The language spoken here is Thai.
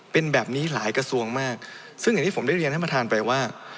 เป็นแบบนี้หลายกระทรวงมากซึ่งอย่างที่ผมได้เรียนท่านประธานไปว่า